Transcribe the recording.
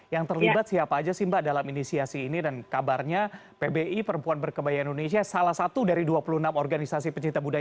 yang terlibat siapa aja sih mbak dalam inisiasi ini dan kabarnya pbi perempuan berkebaya indonesia salah satu dari dua puluh enam organisasi pencinta budaya